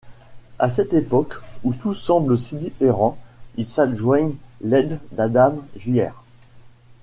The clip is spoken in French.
À cette époque où tout semble si différent, ils s'adjoignent l'aide d'Adam Jr.